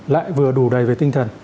lại vừa đủ đầy về tinh thần